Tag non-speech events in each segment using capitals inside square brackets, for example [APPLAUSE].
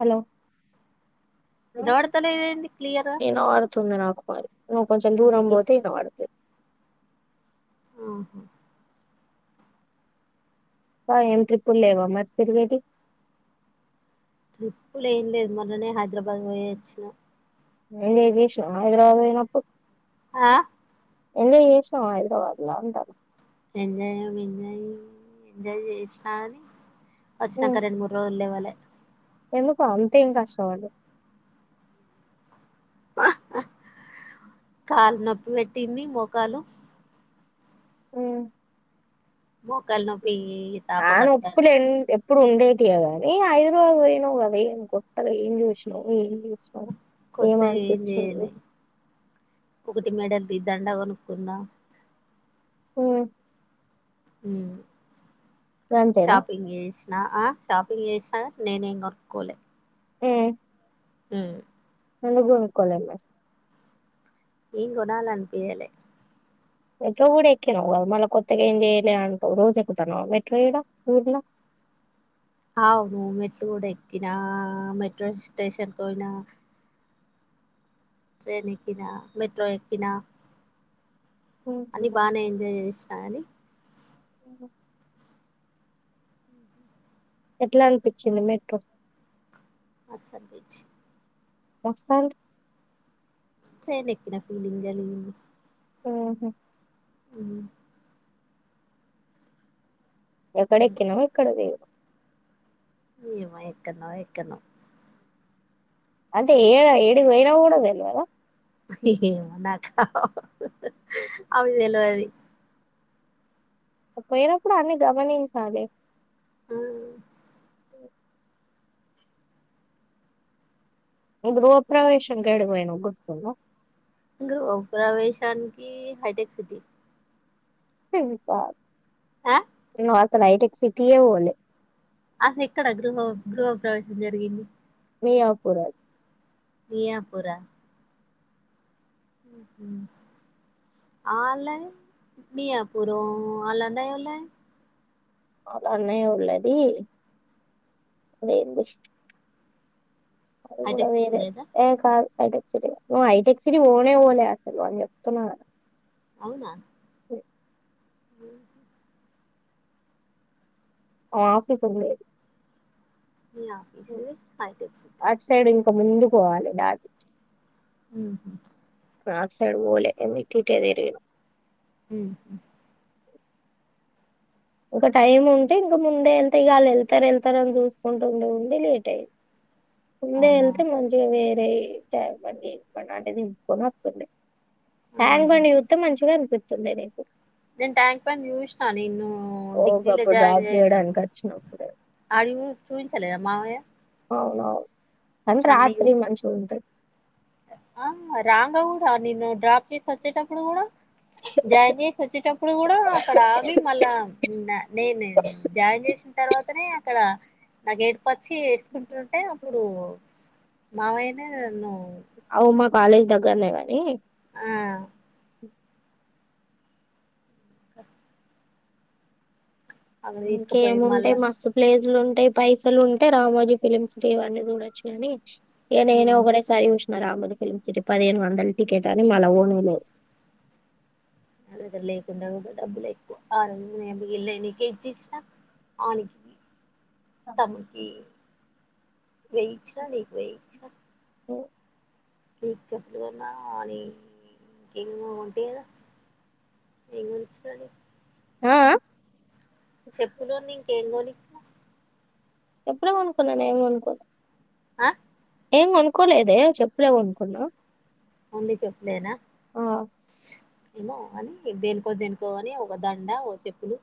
Hello ఇనబడతలేదు ఏంది ఇనబడుతుంది నాకు మరి నువ్వు కొంచెం దూరం నీకే పోతే ఇనబడతది హుహు ఇంక ఏం ట్రిప్పులు లేవా మరి తిరిగేటి ట్రిప్పులు ఏం లేదు మొన్ననే హైదరాబాద్ పోయి వచ్చిన [UNINTELLIGIBLE] హైదరాబాద్ పోయినప్పుడు ఆ ఎంజాయ్ చేసినవా హైదరాబాద్ ల అంటానా ఎంజాయ్ ఏం ఎంజాయ్ ఎంజాయ్ చేసినని వచ్చినంక రొండు మూడు రోజలు లేవలే ఎందుకో అంత ఏం కష్టపడ్డావ్ కాలు నొప్పి పెట్టింది మోకాలు ఉ మోకాలు నొప్పి [UNINTELLIGIBLE] తాపకత్తాంది ఎప్పుడు ఉండేటియ గాని హైదరాబాద్ పోయినవ్ కదా ఏమ్ కొత్తగా ఏం చూసినవ్ ఏం చూసినావు కొత్తగా ఏం చేయాలె ఒకటి మేడది దండ కొ నుకున్న ఉ ఉ గంతేనా షాపింగ్ చేసి నా ఆ షాపింగ్ చేసిన నేనేం కొనుకోలే ఉ ఉ ఎందుకు కొనుక్కోలే మరి ఏమ్ కొనాలనిపియ్యలే మెట్రో కూడా ఎక్కినవు కదా మళ్ళా కొత్తగా ఏం చేయలే అంటావ్ రోజు ఎక్కుతానవా మెట్రో ఇడ ఊర్లా అవును మెట్టుకూడా ఎక్కినా మెట్రో స్టేషన్ పోయినా ట్రెయిన్ ఎక్కినా మెట్రో ఎక్కినా అన్ని బానే ఎంజాయ్ చేసినా కానీ ఎట్లా అనిపించింది మెట్రో మస్తు అనిపించింది వస్తాలే ట్రైన్ ఎక్కిన ఫీలింగ్ కలిగింది ఉహు అ ఎక్కడ ఉమ్. ఎక్కిన వ్, ఎక్కడ దిగినవ్. ఏమో ఎక్కన్నో ఎక్కన్నో. అంటే ఏడ ఏడికి పోయినా కూడా తెలవదా. నాకా అవి తెలువది. పోయినప్పుడు అన్ని గమనించాలి. ఆ [UNINTELLIGIBLE] గృహప్రవేశానికి ఏడికి పోయినవు గుర్తుందా. గృహప్రవేశానికి హైటెక్ సిటీ. ఆ నువ్వు అసలు హైటెక్ సిటీకి పోలే. అసలు ఎక్కడ గృహ గృహప్రవేశం జరిగింది. మియాపురం. మియాపూర్ ఆ. అ ఆన్లైన్ మియాపూర్ ఆన్లైన్ [UNINTELLIGIBLE] [UNINTELLIGIBLE] అది కూడా హైటెక్ సిటీ వేరే కదా ఏ కాదు. హైటెక్ సిటీ ఏ, నువ్వు హైటెక్ సిటీ పోనే పోలే అసలు అని చెప్తున్నా కదా. అవునా. హ్మ్ ఆమె ఆఫీస్ కి [UNINTELLIGIBLE] మీ ఆఫీసుది హైటెక్ సిటీ అట్ సైడ్ ఇంకా ముందు పోవాలి దాటి. హ్మ్ అటు సైడ్ పోలే ఎందుకు ఇటే తిరిగిన. హ్మ్ ఒక టైమ్ ఉంటే ఇంక ముందే వెళ్తే వాళ్లు వెళ్త వెళ్తా వెళ్తారుని చూస్త. ఉంటుండే ఉండి లేట్ అయిది, ఉందే అవునా వెళ్తే మంచిగా వేరయ. ట్యాంక్ బండి [UNINTELLIGIBLE] ట్యాక్ ఆహా. బండి చూస్తే మంచిగా అనిపిం. స్తుంది నీకు. నేను ట్యాంక్ బండి చూసినా నిన్ను. ఉం ఓ డిగ్రీల గప్పుడు జాయిన్ డ్రాప్ చేసిన, చేయడానికి వచ్చినప్పుడు ఆడికి పోయి చూపించలేదా మామయ్య. అవునవును, కానీ అన్నీ రాత్రి మంచి ఉంటది. ఆ రాంగా కూడా నిన్నను డ్రాప్ చేసి వచ్చేటప్పుడు కూడా. [INAUDIBLE] జాయిన్ చేసి వచ్చేటప్పుడు కూడా అక్కడ అవి మళ్ళా నేనే జాయిన్ చేసి. తర్వాతనే అక్కడ నాగేటే. పచ్చి వేసుకుంటుంటే అప్పుడు మామయనే నన్ను. అవు మా కాలేజ్ దగ్గరనే గాని. ఆ అక్కడ తీసుకుపోయి ఇంకేముంటే మళ్ళా మస్తు ప్లేసులు ఉం. అంటే పైసలు ఉంటే రామోజీ ఫిలిమ్స్ టీవన్నీ చూడొచ్చు కాని ఇక నేనే ఉమ్ ఒకటేసారి చూసిన. రామోజీ ఫిలిమ్ సిటీ పదిహేను వందల టికెట్ అని మల్ల పోనీయలే. నా దగ్గర లేకుండా డబ్బులు ఎక్కువ ఆరు వందలు మిగిలినవి నీకే ఇచ్చేస్తా నా. ఆ నకి. తమ్మునికి వేయించిన నీకు వేయించిన. టే. నీకు చెప్పులు కొన్నాని నేను కూడా కొంటిని కదా. ఏం కొనిచ్చినా నీకు. ఆ, ఆ. చెప్పు లాని ఇంకేంకొనిచ్చినావు చెప్పులే కొనుకున్న నేనేం కొనుకోలే ఆ ఏమ్ కొనుకోలేదే చెప్పులే కొనుకున్న ఓన్లీ చెప్పలేనా ఏమో అని దేనికో దేనికో పొని ఒక దండ ఒక చెప్పులు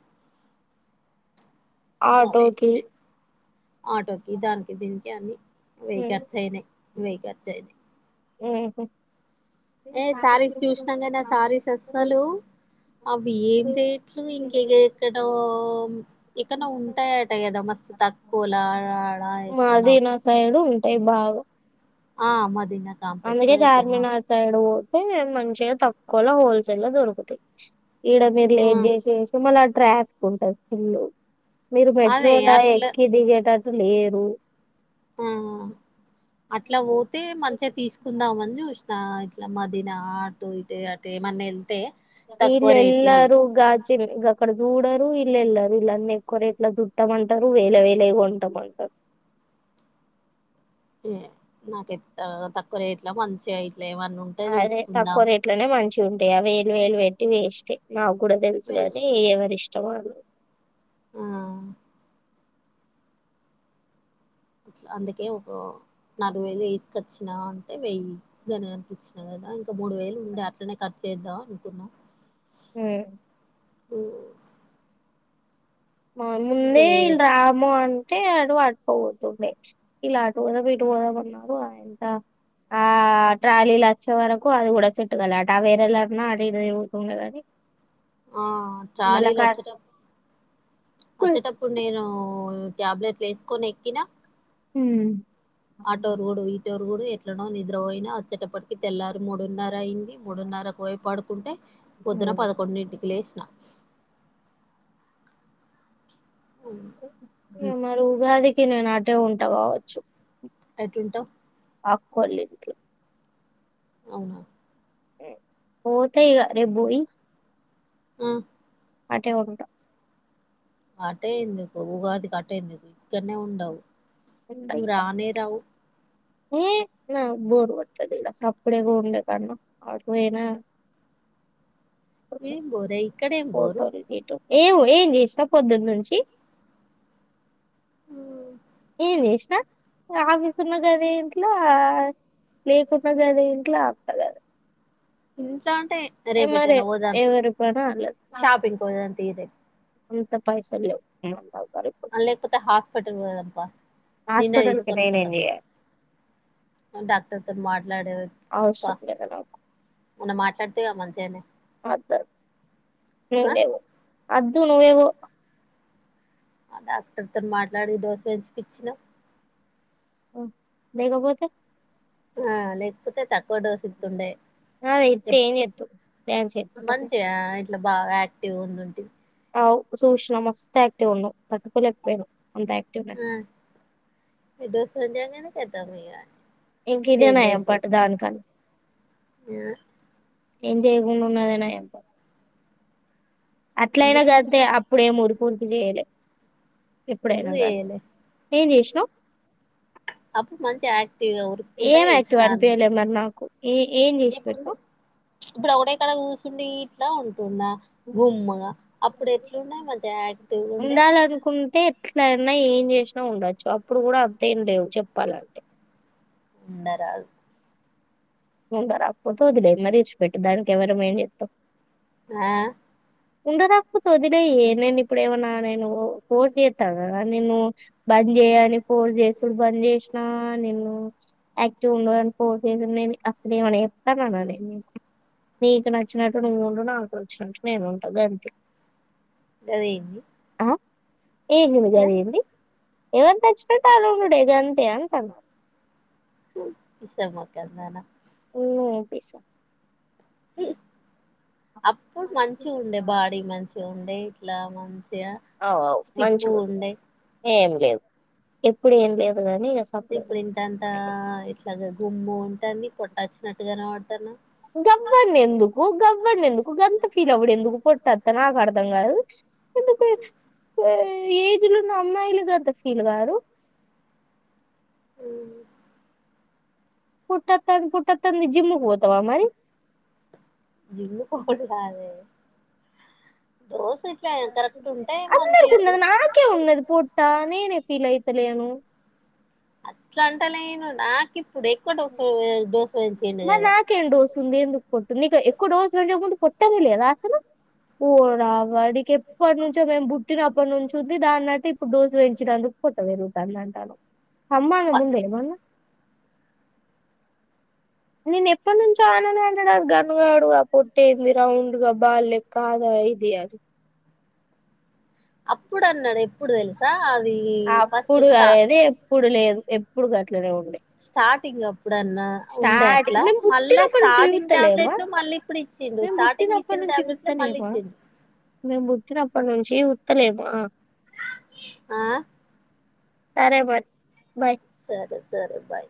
అవే ఆటోకి ఆటోకి దానికి దీనికి అన్ని వెయ్యి ఉమ్, ఖర్చయినాయి వెయ్య ఖర్చు అయినాయి ఉహు ఏ శారీస్ చూసినాం కానీ ఆ శారీస్ అసాలు అవి ఏం రేట్లు ఇంకా కే ఎక్కనో ఎక్కనో ఉంటాయట కాదా మా స్తు తకొల ఆడ ఆడ ఎక్కనో ఎయి భాగు ఆ మాదిన అందుకే చార్మినార్ సైడ్ పోతే మంచిగా తకొలా హోల్సేల్ ల దొరుకుతాయి ఈడ మీరు లేట్ ఉమ్ చేస్తూంటే మళ్ళీ ట్రాఫిక్ ఉంటది ఫుల్ మీరు అదే మెట్రోలా అట్లా ఎక్కి దిగేటట్టు లేరు ఆ అట్లా పోతే మంచిగా తీసుక్ కుందాంమని చూసిన ఇట్లా మాదిన అటు ఇటు అంటేమన్నా వెళ్తే ఇల్ తక్కువ రేట్లలా ఎలారు గాజుల్ గాకాడ చూడరు ఇళ్ళు వెళ్లరు ఇల్లన్నీ ఎక్కువ రేట్లా చూతమంటారు వేలాయి వేలాయి కొంటాంమంటారు ఏ నాకయి తక్కువ రేట్లా మంచి అయి అదే తక్కువ రేట్లోనే మంచిగా ఉంటాయి. ఆ వేలు వేలు పెట్టి వేస్ట్ నాక్ కూడా తెలుసుగాని వేస్ట్ ఎవరి ఇష్టం వాళ్ళు ఆ అట్లా అందుకే ఒక నాలుగు వేలు వేసుకొచ్చినా అంటే వెయ్యి గననికిచ్చిన ఇంకా మూడు వేలు ఉండే అట్లనే ఖర్చు చేదాం అనుకున్న యే మా ఇంక ముందే వేరే ఇల్ రాము అ టే అటు పట్టుకపోతుండే ఇళ్ళు అటు పోదాం ఇటు పోదమ్ అన్నారు అయింత ఆ ట్రాలీల వచ్చే వరకు అది కూడా సెట్ కాలే ఆ టవేరా అన్న అటు ఇటు తిరుగుతుండే కాని ఆ మళ్ళా ట్రాలీలు కార్ వచ్చటప్ ఉమ్. వచ్చటప్పుడు నేను ఉ టాబ్లెట్లు వేసుకొని ఎక్కినా ఉమ్ ఆటోరుగుడు ఇటోరుగుడు ఎట్లనో నిద్రపోయినా చ్చేటప్పటికి తెల్లారు మూడున్నర అయింది మూడున్నరకు పోయి పడుకుంటే పొద్దున పద్దకోండింటికి లేసిన హ్మ్. హ్మ్. మరి ఉగాదికి నేను అటే ఉంట కావచ్చు ఎటుంటావు అక్కోలింట్లో అవునా పోత ఇగా రేపుబోయి ఆ అటేపోకట ఆటే ఎందుకు ఉగాదికి అటెందుకు ఇక్కనే ఉండవు నువ్వు రానేేరావు ఊమ్ నాక్ బోర్ కొడుతాది ఇడా సపిడేక ఉండేకన్నా అటుపోయిన ఏం [UNINTELLIGIBLE] బోరే ఇక్కడేం బోరు ఫోటో ఏము ఏమ్ చేసినవ్ పొద్దానుచి ఉ ఏ వష్న ఆఫీసు ఉన్నగాద ఇంట్లో లేకుడా కదా ఇంట్లో అంత కదా ఇంట్లో అంటే రేపెట్టైనా పోధం ఎవరి పని షాపింగ్ దంతి రేపు కొంత పైసా లేవు ఇప్పుడు. లేకపోతే హాస్పిటల్ పోదపా నిన్న హాస్పిటల్ కి తీసుకొని నేనేం పోతాం చేయాలి డాక్టర్తో మాట్లాడేప్ప అవసరం లేదు నాకు మన్న మాట్లాడితేవా మంచిగానే నువ్వే అదు నువ్వేవ ఆ డాక్టర్తో మాట్లాడి దోశ వెంచిపచ్చిన లేగపోతే ఆ లేకపోతే తక్కువ డోస్తుండే ప్రన్ చె ఇట్లా బాగా యాక్టివ్గా ఉందింటంది ఆ సూష్ణ మస్త యాక్టివ్ ఉండె తట్టుకోలేక పోయినా ఆ ఏద్దసంజాంగ చెద్దా పోయ ఇంకా ఇధేయ్ నాయం పట్ట దాన్ కాని ఆ ఏం చేయకున్నాదేనా నయం అట్లయినా ఎందుకు కాతే అప్పుడేం ఉఊరికు ఉరికి చేయలే ఎప్పుడైనా ఎందుకు కా అంత చేయలే ఏం చేసినావు అప్పుడు మంచిగా యాక్టివ్గా ఉరుక్కుంటా ఏమవుతే చేసినాన్ని అనిపయలే మరి నాకు ఏ ఏం చేసి ఇప్పుడు పెట్టినావ్ ఇప్పుడు ఒకడేక్కడ కూర్చండి ఇట్లా ఉంటుంది న్న గుమ్మగా అప్పుడు ఎట్లున్నాయి మ జాక్టివ్గా ఉండయి ఎట్లన్నా ఏం చేసినా ఉండొచ్చు అప్పుడు కూడా అంతేం లేవు చెప్పాలంటే ఇంద రాల్ ఉంద తది లే మరి ప పెట దానికికవ రమైత్త [UNINTELLIGIBLE] ఆ ఉండదాప్పు తొదిలే నేను ఇప్పుడు ఏమనా నేను కోదిస్తద నేను బ చేయాలి ఫోర్ చేసుడు బంద్ చేసినా నిను యాక్టివ్ ఉండని ఫోర్ చేస నేను అసలు ఏమన్నా ఎప్పా మనాలి మీకు నీకు నచ్చినట్టు నువ్వుండు నాకు వచ్చినట్టు నేను ఉంటాది అంతే దేంది ఏమిలు కదిగింది ఎవరు నచ్చినటు అరుణుడుే గంతే అంటన్నారు ఇసమొకందనా ఉ పేసా అప్పుడు మంచి ఉండే బాడీ మంచి ఉండే ఇట్లా మంచి అవువు మంచి ఉ ఏం లేదు ఎప్పుడు ఏం లేదు గాని ఇగ ఇప్పుడు ఇంటంతా సప్పుడేక ఇట్లాగ గుమ్ము ఉంటుంది పొట్ట వచ్చినట్టుగానే వాడతాను గవ్వంని ఎందుకు గవ్వంని ఎందుకు గంత ఫీల్ అవ్వడు ఎందుకు కొట్టత్త నాకు అర్థం కాదు ఎందుకు ఏజ్లున్న అమ్మాయిలుగాద్ద ఫీల్ గారు ఉ పూట్టత పూట్టత జిమ్ కి పోతావ మరి జిల్లు పోడలా కరెట్ ఉంటే అందరి మంచిగా ఉన్నది ఇట్లా నాకే ఉన్నది పొట్ట నేనే ఫీల్ అయితలేను అట్లా అంట నేను నాకు ఇప్పుడు ఎక్కువ డోసు వంచయండి కదా పట్టు నీకు ఎక్కువ డోసుులుండ ముందు కొట్టాల లేదా అసలు ఓ రావడికి ఎప్పటి నుంచో మేము పుట్టినప్పటి నుంచి ఉద్ది దాన్నట్టు ఇప్పుడు డోసు పెంచినందుకు పొట్ట వెరుగుతాందంటార్రు అమ్మనం ముందే ఏమన్నా నేను ఎప్పటి నుంచో ఆన అంటడా గన్గాడుగా పట్టేంది రౌండ్ గా బల్లెక్క గా [UNINTELLIGIBLE] సయిదేయారు అప్పుడన్నడె అప్పుడు స్టా గాది ఎప్పుడు లేదు ఎప్పుడు గట్లనే ఉండె స్టార్ట్ స్టార్టింగ్ మేం మళ్ళా బుట్టినప్పటి నుంచి స్టార్టింగ్ జూతలేమ టాబ్లెట్లు మళ్ళీ ఇప్పుడు ఇచ్చిండు మేం స్టార్టింగ్ బుట్టినప్పటి ను ఇచ్చిన నుంచి టాబ్లెట్లే మళ్ళీ జుతలెమ ఇచ్చిండు మేం బుట్టినప్పటి నుంచి జూతలేమ [INAUDIBLE] ఆ అరే మరి బాయ్ సరే సరే బాయ్